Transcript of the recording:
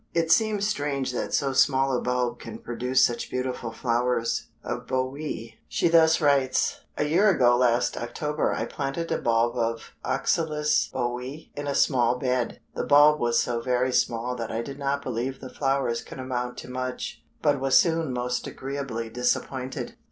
It seems strange that so small a bulb can produce such beautiful flowers." Of Bowii she thus writes: "A year ago last October I planted a bulb of Oxalis Bowii in a small bed. The bulb was so very small that I did not believe the flowers could amount to much, but was soon most agreeably disappointed.